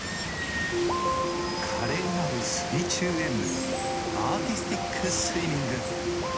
華麗なる水中演舞、アーティスティックスイミング。